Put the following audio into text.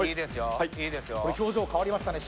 これ表情変わりましたね